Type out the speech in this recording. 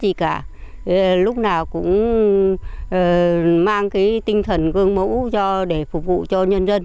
vật chất gì cả lúc nào cũng mang tinh thần gương mẫu để phục vụ cho nhân dân